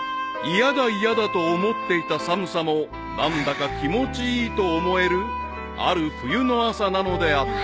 ［嫌だ嫌だと思っていた寒さも何だか気持ちいいと思えるある冬の朝なのであった］